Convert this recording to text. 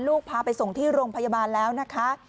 พาไปส่งที่โรงพยาบาลแล้วนะคะ